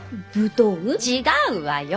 違うわよ！